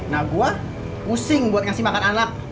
nah gue pusing buat ngasih makan anak